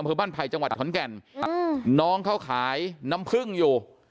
บ้านไผ่จังหวัดขอนแก่นน้องเขาขายน้ำผึ้งอยู่